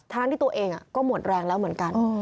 ทั้งที่ตัวเองก็หมดแรงแล้วเหมือนกัน